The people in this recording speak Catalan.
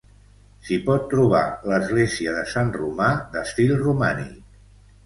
S'hi pot trobar l'església de Sant Romà d'estil romànic.